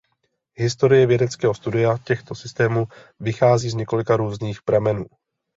Historie vědeckého studia těchto systémů vychází z několika různých pramenů.